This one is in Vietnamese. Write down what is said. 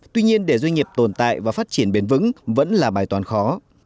tuy nhiên để doanh nghiệp tồn tại và phát triển bền vững vẫn là bài toán khó